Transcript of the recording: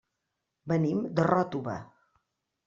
Venim de Ròtova.